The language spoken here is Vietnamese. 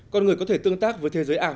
con người có thể tương tác với thế giới ảo